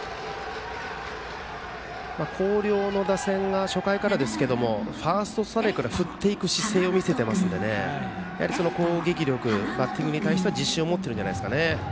広陵の打線が、初回からファーストストライクから振っていく姿勢を見せているので攻撃力、バッティングに対しては自信を持っているじゃないですかね。